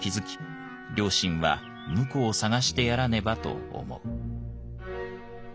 両親は「婿を探してやらねば」と思う。